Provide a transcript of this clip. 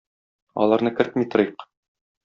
Аларны кертми торыйк.